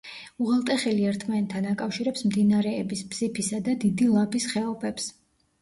უღელტეხილი ერთმანეთთან აკავშირებს მდინარეების ბზიფისა და დიდი ლაბის ხეობებს.